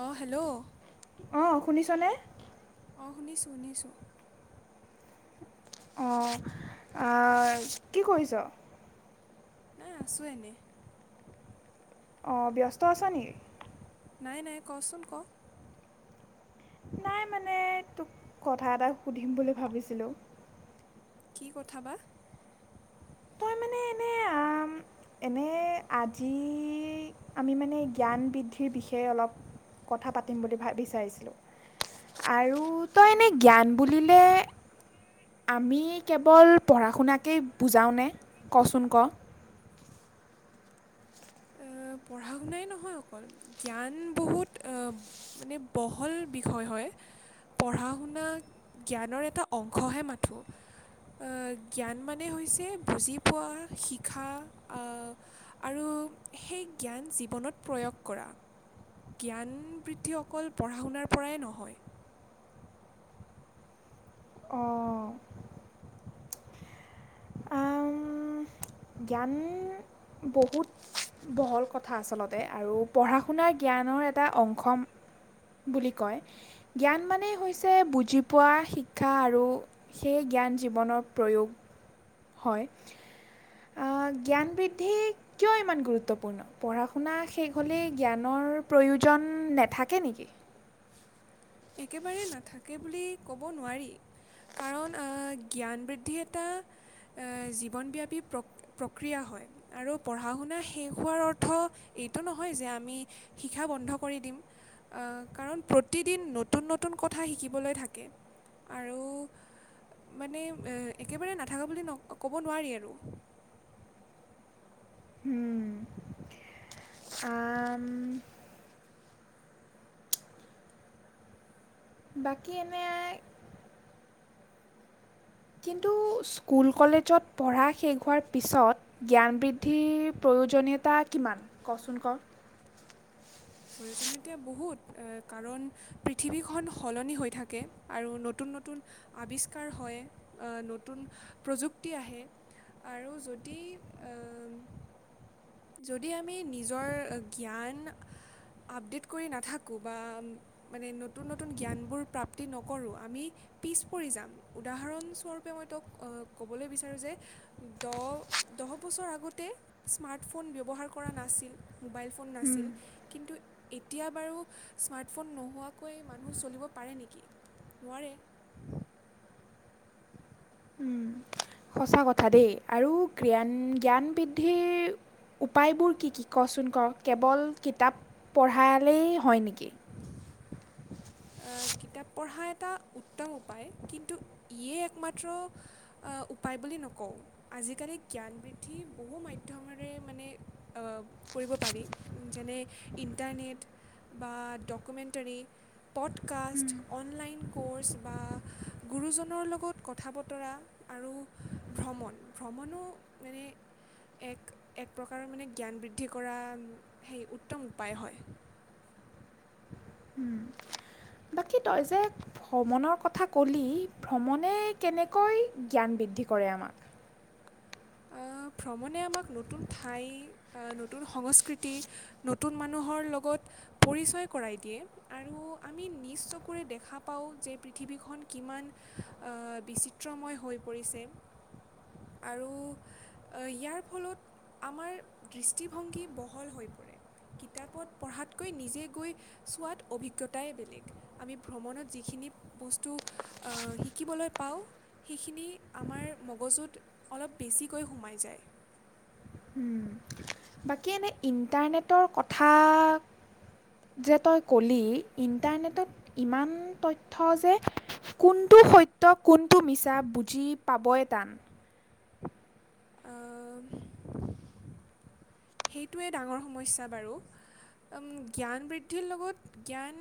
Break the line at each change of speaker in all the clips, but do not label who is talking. অ hello
অঁ শুনিছনে
অঁ শুনিছোঁ শুনিছোঁ
অঁ আঁ, কি কৰিছ
এ আছো এনেই
অ ব্যস্ত আছ নেকি?
নাই নাই কচোন ক
নাই মানে তোক কথা এটা সুধিম বুলি ভাবিছিলোঁ।
কি কথা বা।
তই মানে এনে আম, এনে আজি আমি মানে জ্ঞান বৃদ্ধিৰ বিষয়ে অলপ কথা পাতিম বুলি ভাবি চাইছিলোঁ আৰু তই এনে জ্ঞান বুলিলে আমি কেৱল পঢ়া শুনাকেই বুজাওঁনে ক', চোন ক?
পঢ়া শুনাই নহয় অকল জ্ঞান বহুত মানে বহল বিষয় হয় পঢ়া শুনা জ্ঞানৰ এটা অংশহে মাথো, জ্ঞান মানে হৈছে বুজি পোৱা শিকা আৰু সেই জ্ঞান জীৱনত প্ৰয়োগ কৰা। জ্ঞান বৃদ্ধি অকল পঢ়া শুনাৰ পৰাই নহয়।
অঁ আম, জ্ঞান বহুত বহল কথা আচলতে আৰু পঢ়া শুনাাৰ জ্ঞানৰ এটা অংশ বুলি কয় জ্ঞান মানেই হৈছে বুজি পোৱা শিক্ষা আৰু সেই জ্ঞান জীৱনৰ প্ৰয়োগ। হয় অহ জ্ঞান বৃদ্ধি কিয় ইমান গুৰুত্বপূৰ্ণ, পঢ়া শুনা শেষ হ'লেই জ্ঞানৰ প্ৰয়োজন নেথাকে নেকি?
একেবাৰে নাথাকে বুলি ক'ব নোৱাৰি কাৰণ জ্ঞান বৃদ্ধি এটা অহ জীৱনব্যাপী প্ৰক্ৰিয়া হয় আৰু পঢ়া শুনা শেষ হোৱাৰ অৰ্থ এইটো নহয় যে আমি শিক্ষা বন্ধ কৰি দিম কাৰণ প্ৰতিদিন ন নতুন নতুন কথা শিকিবলৈ থাকে আৰু মানে একেবাৰে নাথাকা বুলি নকওঁ, ক'ব নোৱাৰি আৰু
আ ম। বাকী এনেই কিন্তু স্কুল কলেজত পঢ়া শেষ হোৱাৰ পিছত জ্ঞান বৃদ্ধিৰ প্ৰয়োজনীয়তা কিমান ক', চোন ক?
প্ৰয়োজনীয়তা বহুত কাৰণ পৃথিৱীখন সলনি হৈ থাকে আৰু নতুন নতুন আৱিষ্কাৰ হয়, নতুন প্ৰযুক্তি আহে আৰু যদি অ যদি আমি নিজৰ জ্ঞান আপডেট কৰি নাথাকোঁ বা, মানে নতুন নতুন জ্ঞানবোৰ প্ৰাপ্তি নকৰোঁ আমি পিছ পৰি যাম। উদাহৰণস্বৰূপে মই তেওঁক ক'বলৈ বিচাৰোঁ যে দহ দহ বছৰ আগতে স্মাৰ্ট স্মাৰ্টফোন ব্যৱহাৰ কৰা নাছিল, মোবাইল ফোন নাছিল কিন্তু এতিয়া বাৰু স্মাৰ্টফোন নোহোৱাকৈ মানুহ চলিব পাৰে নেকি? নোৱাৰে।
সঁচা কথা দেই আৰু জ্ঞান জ্ঞান বৃদ্ধিৰ উপায়বোৰ কি কি ক', চোন ক? কেৱল কিতাপ পঢ়ালেই হয় নেকি? কি
কিতাপ পঢ়া এটা উত্তম উপায়, কিন্তু ইয়ে একমাত্ৰ উপায় বুলি নকওঁ আজিকালি জ্ঞান বৃদ্ধি বহু মাধ্যমেৰে মানে অহ কৰিব পাৰি, যেনে ইণ্টাৰনেট বা ডকুমেণ্টৰী। পডকাষ্ট অনলাইন ক'ৰ্ছ বা গুৰুজনৰ লগত কথা বতৰা আৰু ভ্ৰমণ, ভ্ৰমণো মানে এক এক প্ৰকাৰৰ মানে জ্ঞান বৃদ্ধি কৰা সেই উত্তম উপায় হয়।
বাকী তই যে ভ্ৰমণৰ কথা ক'লি ভ্ৰমণে কেনেকৈ জ্ঞান বৃদ্ধি কৰে আমাক।
আ, ভ্ৰমণে আমাক নতুন ঠাই নতুন সংস্কৃতি নতুন মানুহৰ লগত পৰিচয় কৰাই দিয়ে আৰু আমি নিজ চকুৰে দেখা পাওঁ যে পৃথিৱীখন কিমান অহ বিচিত্ৰময় হৈ পৰিছে আৰু ইয়াৰ ফলত আমাৰ দৃষ্টিভংগী বহল হৈ পৰে কিতাপত পঢ়াতকৈ নিজে গৈ চোৱাত অভিজ্ঞতাই বেলেগ, আমি ভ্ৰমণত যিখিনি বস্তু শিকিবলৈ পাওঁ সেইখিনি আমাৰ মগজুত অলপ বেছিকৈ সোমাই যায়।
বাকী এনে ইণ্টাৰনেটৰ কথা যে তই ক'লি ইণ্টাৰনেটত ইমান তথ্য যে কোনটো সত্য কোনটো মিছা বুজি পাবই টান।
আ। সেইটোৱে ডাঙৰ সমস্যা বাৰু জ্ঞান বৃদ্ধিৰ লগত জ্ঞান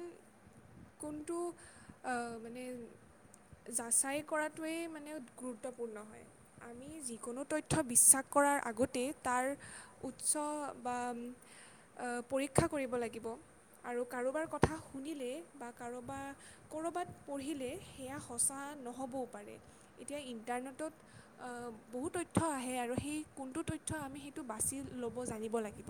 কোনটো মানে যাচাই কৰাটোৱেই মানে গুৰুত্বপূৰ্ণ হয় আমি যিকোনো তথ্য বিশ্বাস কৰাৰ আগতেই তাৰ উচ্চ বা পৰীক্ষা কৰিব লাগিব আৰু কাৰোবাৰ কথা শুনিলে বা কাৰোবাৰ ক'ৰবাত পঢ়িলে সেয়া সঁচা নহ'বও পাৰে এতিয়া ইণ্টাৰনেটত বহু তথ্য আহে আৰু সেই কোনটো তথ্য আমি সেইটো বাছি ল'ব জানিব লাগিব।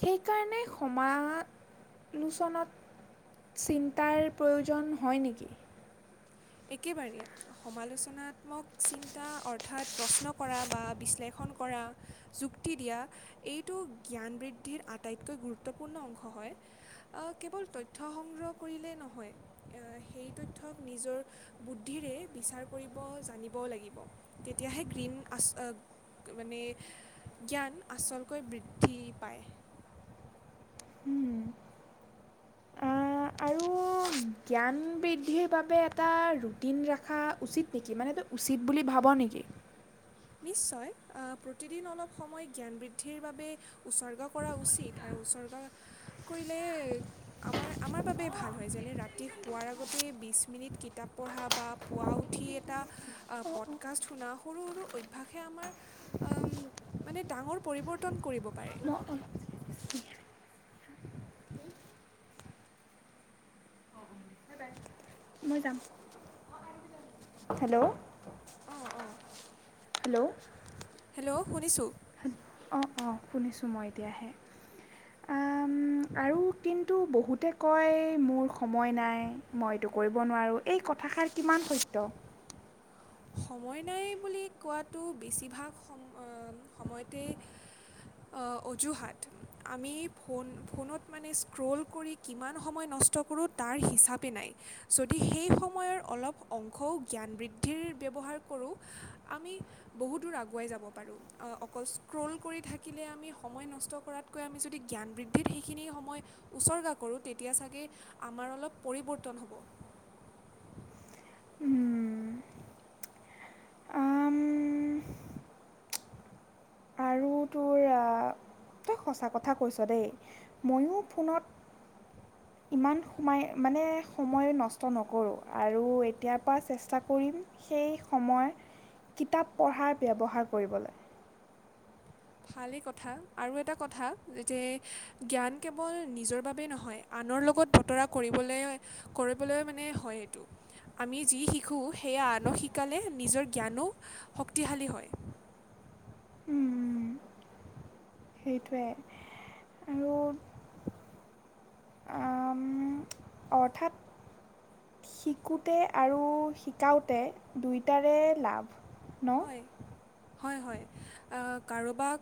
সেইকাৰণে সমালোচনত চিন্তাৰ প্ৰয়োজন হয় নেকি।
একেবাৰে সমালোচনাত্মক চিন্তা অৰ্থাৎ প্ৰশ্ন কৰা বা বিশ্লেষণ কৰা যুক্তি দিয়া এইটো জ্ঞান বৃদ্ধিৰ আটাইতকৈ গুৰুত্বপূৰ্ণ অংশ হয় কেৱল তথ্য সংগ্ৰহ কৰিলেই নহয় সেই তথ্যক নিজৰ বুদ্ধিৰে বিচাৰ কৰিব জানিবও লাগিব তেতিয়াহে গ্ৰীণ আচল মানে জ্ঞান আচলকৈ বৃদ্ধি পায়।
আৰু জ্ঞান বৃদ্ধিৰ বাবে এটা ৰুটিন ৰখা উচিত নেকি মানে এই উচিত বুলি ভাব নেকি?
নিশ্চয় প্ৰতিদিন অলপ সময় জ্ঞান বৃদ্ধিৰ বাবে উচৰ্গা কৰা উচিত আৰু উচৰ্গা কৰিলে আমাৰ আমাৰ বাবে ভাল হয় যেনে ৰাতি শোৱাৰ আগতে বিছ মিনিট কিতাপ পঢ়া বা পুৱা উঠি এটা পডকাষ্ট শুনা সৰু সৰু ভাষে আমাৰ মানে ডাঙৰ পৰিৱৰ্তন কৰিব পাৰে।
মই মই যাম। হেল্ল'।
অহ', অহ।
হেল্ল'
হেল্ল' শুনিছোঁ।
অঁ অঁ শুনিছোঁ মই এতিয়াহে, আৰু কিন্তু বহুতে কয় মোৰ সময় নাই মই এইটো কৰিব নোৱাৰোঁ এই কথাষাৰ কিমান সত্য।
সময় নাই বুলি কোৱাটো বেছিভাগ সম-সময়তে অজুহাত আমি ফোন ফোনত মানে স্ক্ৰল কৰি কিমান সময় নষ্ট কৰোঁ তাৰ হিচাপে নাই যদি সেই সময়ৰ অলপ অংশও জ্ঞান বৃদ্ধি বুদ্ধিৰ ব্যৱহাৰ কৰোঁ আমি বহু দূৰ আগুৱাই যাব পাৰোঁ অকল স্ক্ৰল কৰি থাকিলে আমি সময় নষ্ট কৰাতকৈ আমি যদি জ্ঞান বৃদ্ধিত সেইখিনি সময় উচৰ্গা কৰোঁ তেতিয়া চাগে আমাৰ অলপ পৰিৱৰ্তন হ'ব।
উম, আম, তোৰ আৰু টো তই সঁচা কথা কৈছ দেই ময়ো ফোনত ইমান সোমাই মানে সময় নষ্ট নকৰোঁ আৰু এতিয়াৰ পৰা চেষ্টা কৰিম সেই সময় কিতাপ পঢ়াৰ ব্যৱহাৰ কৰিবলৈ।
ভালেই কথা আৰু এটা কথা যে জ্ঞান কেৱল নিজৰ বাবেই নহয় আনৰ লগত বতৰা কৰিবলৈ কৰিবলৈ মানে হয় এইটো আমি যি শিকো সেয়া আনক শিকালে নিজৰ জ্ঞানো শক্তিশালী হয়।
উম, সেইটোৱে আৰু আম, শিকোতে আৰু শিকাওঁতে দুইোটাৰে লাভ ন
হয়। হয়, হয় কাৰোবাক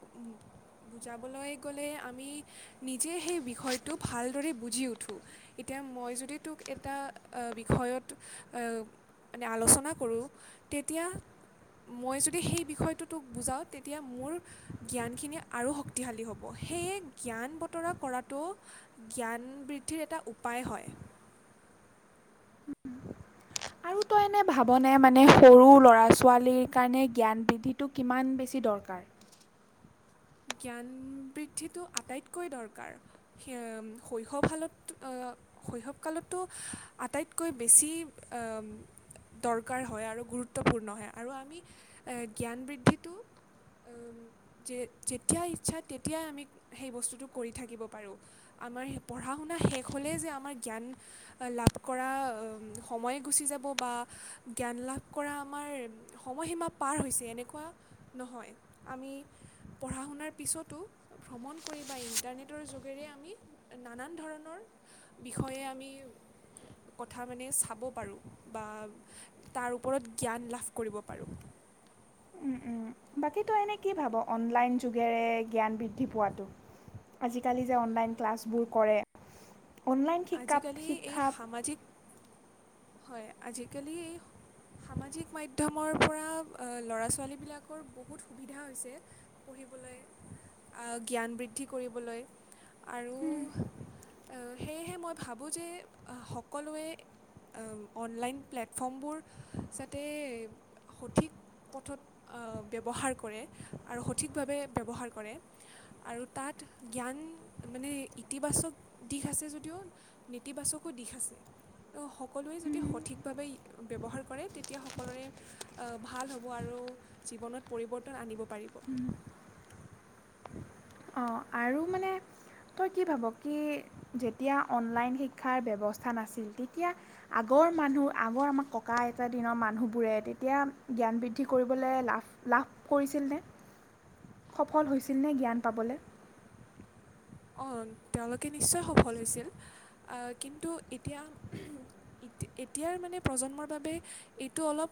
বুজাবলৈ গ'লে আমি নিজে সেই বিষয়টো ভালদৰে বুজি উঠোঁ এতিয়া মই যদি তোক এটা বিষয়ত মানে আলোচনা কৰোঁ তেতিয়া মই যদি সেই বিষয়টোটোক বুজাওঁ, তেতিয়া মোৰ জ্ঞানখিনি আৰু শক্তিশালী হ'ব। সেয়ে জ্ঞান বতৰা কৰাটো জ্ঞান বৃদ্ধিৰ এটা উপায় হয়
আৰু তই এনে ভাবনে মানে সৰু ল'ৰা ছোৱালীৰ কাৰণে জ্ঞান বৃদ্ধিটো কিমান বেছি দৰকাৰ
জ্ঞান বৃদ্ধিটো আটাইতকৈ দৰকাৰ শৈশৱকালত শৈশৱকালতো আটাইতকৈ বেছি দৰকাৰ হয়। আৰু গুৰুত্বপূৰ্ণ হয় আৰু আমি জ্ঞান বৃদ্ধিটো যে যেতিয়া ইচ্ছা তেতিয়াই আমি সেই বস্তুটো কৰি থাকিব পাৰোঁ। আমাৰ পঢ়া শুনা শেষ হ'লেই যে আমাৰ জ্ঞান লাভ কৰা সময় গুচি যাব বা জ্ঞান লাভ কৰা আমাৰ সময়সীমা পাৰ হৈছে এনেকুৱা নহয় আমি পঢ়া শুনাৰ পিছতো ভ্ৰমণ কৰি বা ইণ্টাৰনেটৰ যোগেৰে আমি নানান ধৰণৰ বিষয়ে আমি কথা মানে চাব পাৰোঁ বা তাৰ ওপৰত জ্ঞান লাভ কৰিব পাৰোঁ
বাকীতো এনেই কি ভাব, অনলাইন যুগেৰে জ্ঞান বৃদ্ধি পোৱাতটো, আজিকালি যে অনলাইন ক্লাছবোৰ কৰে অনলাইন শিকা
আজিকালি এই
শিক্ষা''
সামাজিক হয় আজিকালি সামাজিক মাধ্যমৰ পৰা ল'ৰা ছোৱালীবিলাকৰ বহুত সুবিধা হৈছে, পঢ়িবলৈ, জ্ঞান বৃদ্ধি কৰিবলৈ, আৰু সেয়েহে মই ভাবোঁ যে সকলোৱে অনলাইন প্লেটফৰ্মবোৰ যাতে সঠিক পথত ব্যৱহাৰ কৰে। আৰু সঠিকভাৱে ব্যৱহাৰ কৰে। আৰু তাত জ্ঞান মানে ইতিবাচক দিশ আছে যদিও নেতিবাচকো দিশ আছে সকলোৱে যদি সঠিকভাৱে ব্যৱহাৰ কৰে তেতিয়া সকলোৰে ভাল হ'ব আৰু জীৱনত পৰিৱৰ্তন আনিব পাৰিব
অঁ আৰু মানে তই কি ভাব কি যেতিয়া অনলাইন শিক্ষাৰ ব্যৱস্থা নাছিল তেতিয়া আগৰ মানুহ আগৰ আমাৰ ককা আইতা দিনৰ মানুহবোৰে তেতিয়া জ্ঞান বৃদ্ধি কৰিবলৈ লাভ লাভ কৰিছিলনে সফল হৈছিলনে জ্ঞান পাবলৈ
অঁ, তেওঁলোকে নিশ্চয় সফল হৈছিল কিন্তু এতিয়া এতিয়াৰ মানে প্ৰজন্মৰ বাবে এইটো অলপ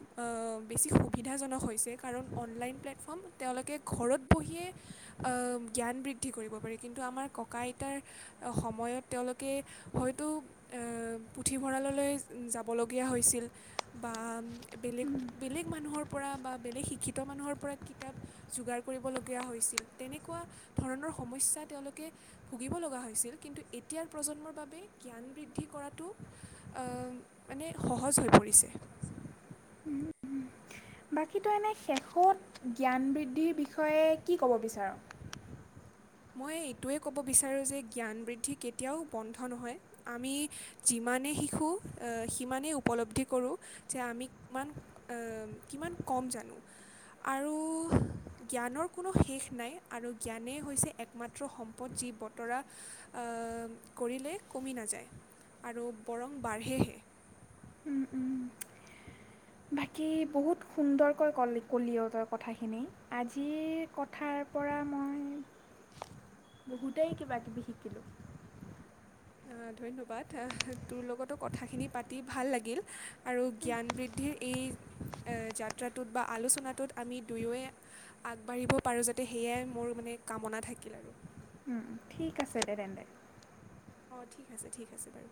বেছি সুবিধাজনক হৈছে কাৰণ অনলাইন প্লেটফৰ্ম তেওঁলোকে ঘৰত বহিয়ে জ্ঞান বৃদ্ধি কৰিব পাৰাৰে কিন্তু আমাৰ ককা- আইতাৰ সময়ত তেওঁলোকে হয়তো পুথিভঁৰাললৈ যাবলগীয়া হৈছিল! বা বেলেগ বেলেগ মানুহৰ পৰা বা বেলেগ শিক্ষিত মানুহৰ পৰা কিতাপ যোগাৰ কৰিবলগীয়া হৈছিল। তেনেকুৱা ধৰণৰ সমস্যা তেওঁলোকে ভুগিব লগা হৈছিল! কিন্তু এতিয়াৰ প্ৰজন্মৰ বাবে জ্ঞান বৃদ্ধি কৰাটো মানে সহজ হৈ পৰিছে
বাকীতো এনে শেষত জ্ঞান বৃদ্ধিৰ বিষয়ে কি ক'ব বিচাৰোঁ?
মই এইটোৱে ক'ব বিচাৰোঁ যে জ্ঞান বৃদ্ধি কেতিয়াও বন্ধ নহয় আমি যিমানেই শিকোঁ সিমানেই উপলব্ধি কৰোঁ যে আমি কিমান কিমান কম জানো আৰু জ্ঞানৰ কোনো শেষ নাই আৰু জ্ঞানেই হৈছে একমাত্ৰ সম্পদ যি বতৰা কৰিলে কমি নাযায় আৰু বৰং বাঢ়েহে।।
উম, উম। বাকী বহুত সুন্দৰকৈ কল কলি', তই কথাখিনি আজিৰ কথাৰ পৰা মই বহুতেই কিবা কিবি শিকিলোঁ।
ধন্যবাদ, তোৰ লগতো কথাখিনি পাতি ভাল লাগিল আৰু জ্ঞান বৃদ্ধিৰ এই যাত্ৰাটোত বা আলোচনাটোত আমি দুয়োে আগবাঢ়িব পাৰোঁ। যাতে সেয়াই মোৰ মানে কামনা থাকিল আৰু।
উম, উম, ঠিক আছে দে তেন্তে।
অঁ, ঠিক আছে ঠিক আছে বাৰু।